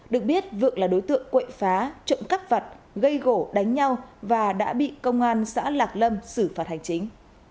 được biết vượng là đối tượng quệ phá trộm cắp vặt gây gỗ đánh nhau và đã bị công an xã lạc lâm xử phạt hành chính